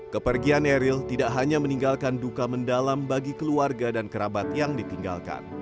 kepergian eril tidak hanya meninggalkan duka mendalam bagi keluarga dan kerabat yang ditinggalkan